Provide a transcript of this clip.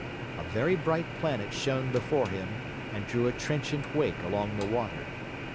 A very bright planet shone before him and drew a trenchant wake along the water.